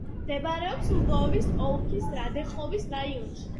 მდებარეობს ლვოვის ოლქის რადეხოვის რაიონში.